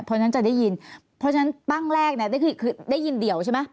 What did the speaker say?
เพราะฉะนั้นจะได้ยินเพราะฉะนั้นปั้งแรกเนี่ยคือได้ยินเดี่ยวใช่ไหม